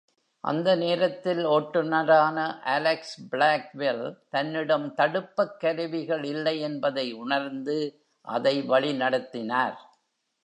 அந்த நேரத்தில் ஓட்டுநரான Alex Blackwell தன்னிடம் தடுப்பக்கருவிகள் இல்லை என்பதை உணர்ந்து அதை வழிநடத்தினார்.